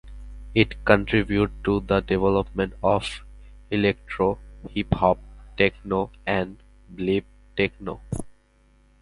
It contributed to the development of electro, hip hop, techno, and bleep techno.